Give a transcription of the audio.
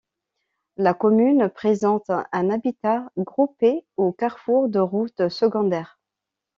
La commune présente un habitat groupé au carrefour de routes secondaires.